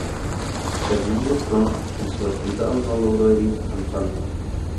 Fernández Krohn en su atentado no logró herir al Papa.